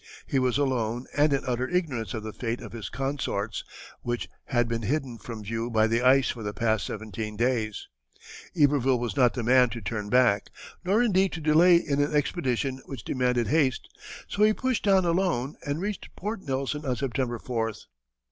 He was alone and in utter ignorance of the fate of his consorts, which had been hidden from view by the ice for the past seventeen days. Iberville was not the man to turn back, nor indeed to delay in an expedition which demanded haste, so he pushed on alone and reached Port Nelson on September 4th.